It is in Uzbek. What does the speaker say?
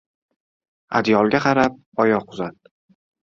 • Adyolga qarab oyoq uzat.